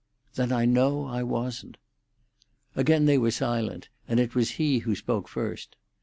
"Then I know I wasn't." Again they were silent, and it was he who spoke first.